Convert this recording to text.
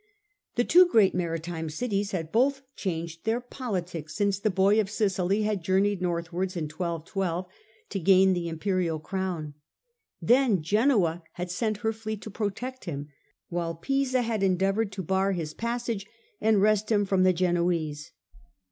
The two great maritime cities had both changed their politics since the Boy of Sicily had journeyed northwards in 1212 to gain the Imperial Crown. Then Genoa had sent her fleet to protect him while Pisa had endeavoured to bar his passage and wrest him from the Genoese.